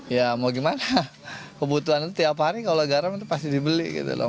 ya mau gimana kebutuhan itu tiap hari kalau garam itu pasti dibeli gitu loh